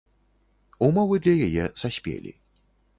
Умовы для яе саспелі.